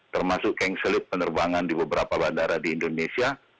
termasuk kengselip penerbangan di beberapa bandara di indonesia